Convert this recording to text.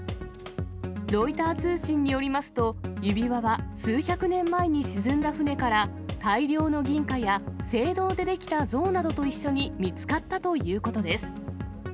ロイター通信によりますと、指輪は数百年前に沈んだ船から、大量の銀貨や、青銅で出来た銅などと一緒に見つかったということです。